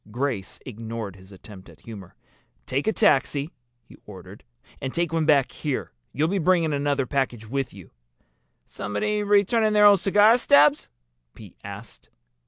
Grace ignored his attempt at humor. "Take a taxi," he ordered. "And take one back here. You'll be bringing another package with you." "Somebody returning their old cigar stubs?" Pete asked.